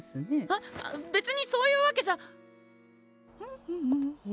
あっ別にそういうわけじゃ。